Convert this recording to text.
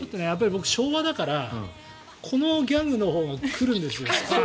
僕、昭和だからこのギャグのほうが来るんですよ。